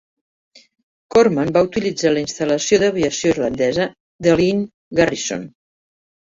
Corman va utilitzar la instal·lació d'aviació irlandesa de Lynn Garrison.